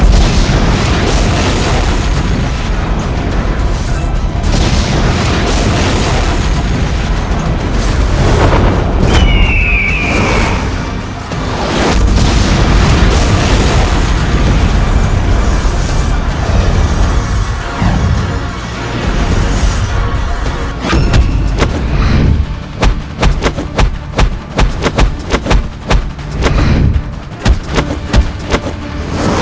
kau bisa menangkapku